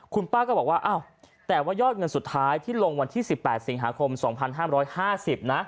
คุณป้าก็บอกว่าอ้าวแต่ว่ายอดเงินสุดท้ายที่ลงวันที่๑๘สิงหาคม๒๕๕๐นะ